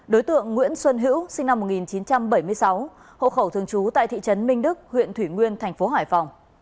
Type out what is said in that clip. đối tượng nguyễn xuân hữu sinh năm một nghìn chín trăm bảy mươi sáu hộ khẩu thường trú tại thị trấn minh đức huyện thủy nguyên thành phố hải phòng